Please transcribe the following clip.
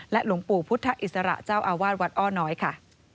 และหลงปู่พุถิศระอวาสวัดอ้อเน้อย่ะ